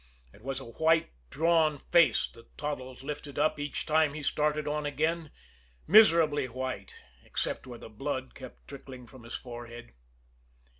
It was a white, drawn face that Toddles lifted up each time he started on again miserably white, except where the blood kept trickling from his forehead.